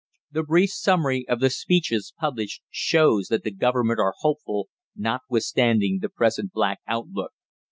The brief summary of the speeches published shows that the Government are hopeful, notwithstanding the present black outlook.